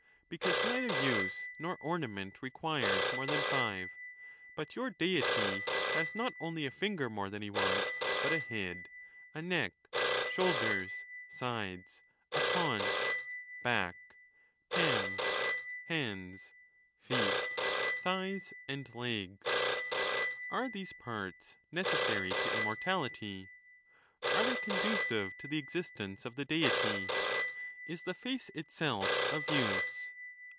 Because neither use nor ornament requires more than five ; but your Deity has not only a finger more than he wants, bnt a head, a neck, shoulders, sides, a paunch, back, hams, hands, feet, thighs, and legs. Are THE NATUEE OP THE GODS. 245 these parts necessary to immortality? Are they condu cive to the existence of the Deity? Is the face itself of use